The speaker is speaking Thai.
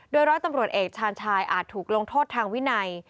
โดยร้อยตำรวจเอกชาญชายอาจถูกลงโทษทางวินัย